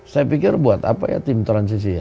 saya pikir buat apa ya tim transisinya